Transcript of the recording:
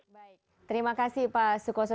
baik terima kasih pak sukoso